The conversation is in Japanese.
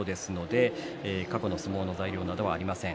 過去の相撲の材料などはありません。